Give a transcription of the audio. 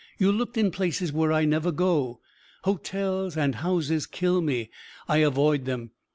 "You looked in places where I never go. Hotels and houses kill me. I avoid them."